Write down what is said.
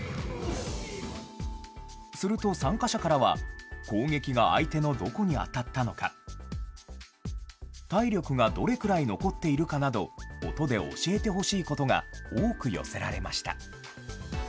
すると参加者からは、攻撃が相手のどこに当たったのか、体力がどれくらい残っているかなど、音で教えてほしいことが多く寄せられました。